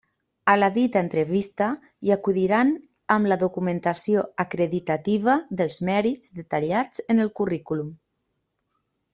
A la dita entrevista hi acudiran amb la documentació acreditativa dels mèrits detallats en el currículum.